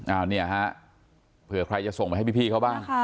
อันนี้ฮะเผื่อใครจะส่งไปให้พี่เขาบ้าง